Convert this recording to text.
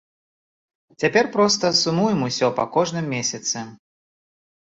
Цяпер проста сумуем усё па кожным месяцы.